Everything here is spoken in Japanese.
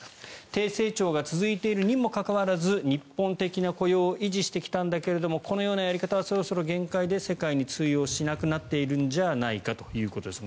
低成長が続いているにもかかわらず日本的な雇用を維持してきたんだけどこのようなやり方はそろそろ限界で世界に通用しなくなっているんじゃないかということです。